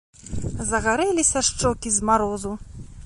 Загарэліся шчокі з марозу.